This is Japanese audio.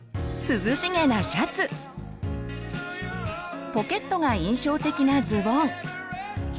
涼しげなシャツポケットが印象的なズボン